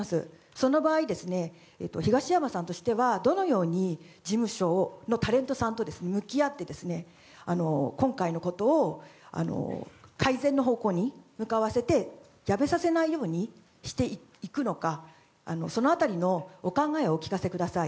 その場合、東山さんとしてはどのように事務所のタレントさんと向き合って今回のことを改善の方向に向かわせて辞めさせないようにしていくのかその辺りのお考えをお聞かせください。